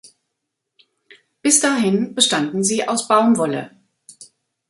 Bis dahin bestanden sie aus Baumwolle.